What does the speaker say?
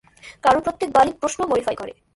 কারণ প্রত্যেকবার ই প্রশ্ন মোডিফাই করে।